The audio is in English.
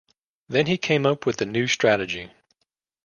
Then he came up with a new strategy.